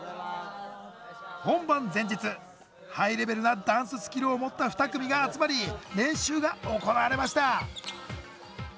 ハイレベルなダンススキルを持った２組が集まり練習が行われました。